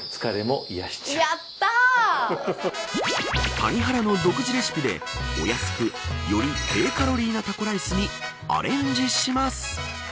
谷原の独自レシピでお安く、より低カロリーなタコライスにアレンジします。